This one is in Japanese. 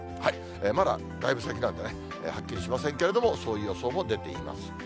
まだだいぶ先なんでね、はっきりしませんけれども、そういう予想も出ています。